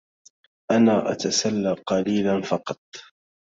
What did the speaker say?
أنا أتسلى قليلا فقط.